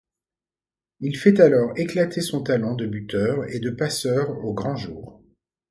Il fait alors éclater son talent de buteur et de passeur au grand jour.